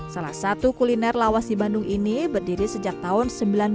salah satu kuliner lawas di bandung ini berdiri sejak tahun seribu sembilan ratus empat puluh tujuh